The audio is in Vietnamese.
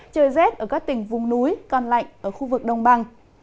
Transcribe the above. trời rét ở các tỉnh vùng núi còn lạnh ở khu vực đông bằng